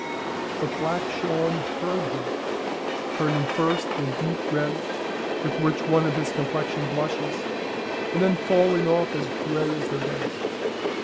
But Black Shawn heard her, turning first the deep red with which one of his complexion blushes, and then falling off as gray as the dead.